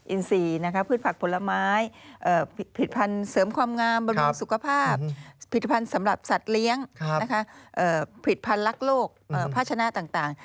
ซีพืชผักผลไม้ผลิตภัณฑ์เสริมความงามบำรุงสุขภาพผลิตภัณฑ์สำหรับสัตว์เลี้ยงผลิตภัณฑ์รักโลกภาชนะต่าง